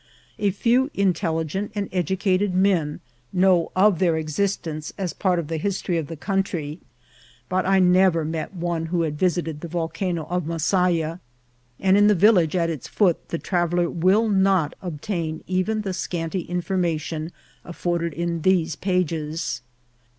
A few intelligent and educa ted men know of their existence as part of the history of the country, but I never met one who had visited the Volcano of Masaya ; and in the village at its foot the traveller will not obtain even the scanty information af forded in these pages.